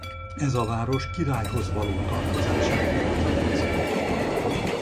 Ez a város királyhoz való tartozását jelképezi.